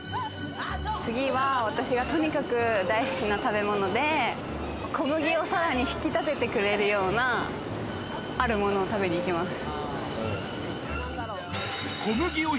次は私がとにかく大好きな食べ物で、小麦をさらに引き立ててくれるようなあるものを食べに行きます。